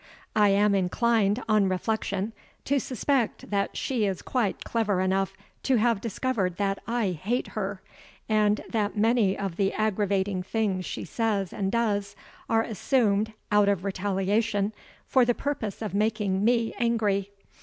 I am inclined, on reflection, to suspect that she is quite clever enough to have discovered that I hate her and that many of the aggravating things she says and does are assumed, out of retaliation, for the purpose of making me angry.